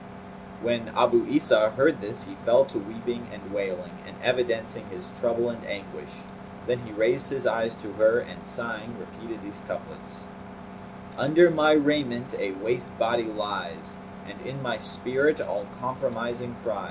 When Abu Isa heard this he fell to weeping and wailing and evidencing his trouble and anguish. Then he raised his eyes to her and sighing, repeated these couplets, "Under my raiment a waste body lies, * And in my spirit all comprising prize.